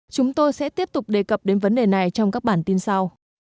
chúng tôi sẽ tiếp tục đề cập đến vấn đề này trong các bản tin sau